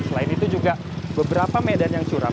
selain itu juga beberapa medan yang curam